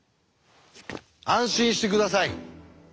安心して下さい。